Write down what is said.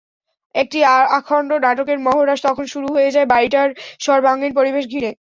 একটি অখণ্ড নাটকের মহড়া তখন শুরু হয়ে যায় বাড়িটার সর্বাঙ্গীণ পরিবেশ ঘিরে।